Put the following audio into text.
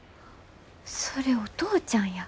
それお父ちゃんや。